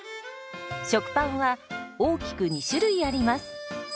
食パンは大きく２種類あります。